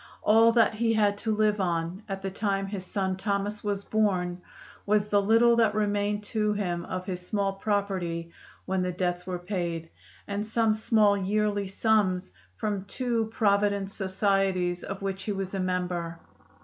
All that he had to live on, at the time his son Thomas was born, was the little that remained to him of his small property when the debts were paid, and some small yearly sums from two provident societies of which he was a member.